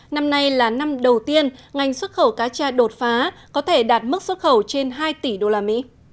năm nay là năm đầu tiên ngành xuất khẩu cá cha đột phá có thể đạt mức xuất khẩu trên hai tỷ usd